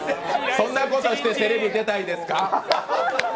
そんなことしてテレビ出たいんですか。